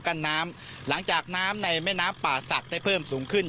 กั้นน้ำหลังจากน้ำในแม่น้ำป่าศักดิ์ได้เพิ่มสูงขึ้น